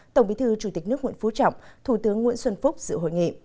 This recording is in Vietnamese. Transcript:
tổng bí thư chủ tịch nước nguyễn phú trọng thủ tướng nguyễn xuân phúc dự hội nghị